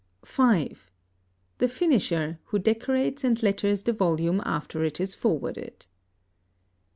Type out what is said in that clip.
(5) The finisher, who decorates and letters the volume after it is forwarded.